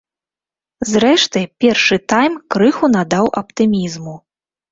Зрэшты, першы тайм крыху надаў аптымізму.